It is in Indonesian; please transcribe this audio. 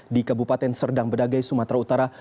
di kabupaten serdang bedagai sumatera utara